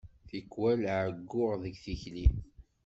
Tikwal εeyyuɣ deg tikli.